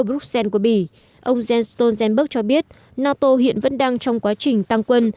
bruxelles của bỉ ông jens stoltenberg cho biết nato hiện vẫn đang trong quá trình tăng quân